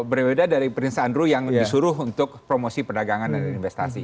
berbeda dari prince andrew yang disuruh untuk promosi perdagangan dan investasi